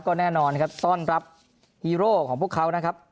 ก็แน่นอนซ่อนรับฮีโร่ของพวกเขานะครับ